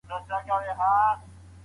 د فزیکي درملنې څانګي څه کوي؟